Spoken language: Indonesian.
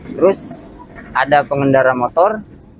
terus ada pengendara motor